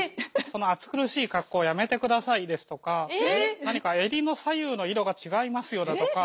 「その暑苦しい格好やめてください」ですとか「何か襟の左右の色が違いますよ」だとか。